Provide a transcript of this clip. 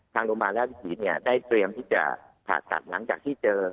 ทางโรงพยาบาลราชวิถีได้เตรียมที่จะผ่าตัดหลังจากที่เจอ